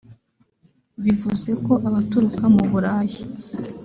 Bivuze ko abaturuka mu Burayi